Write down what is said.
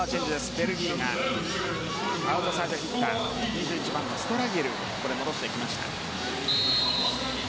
ベルギーがアウトサイドヒッター２１番のストラギエルを戻してきました。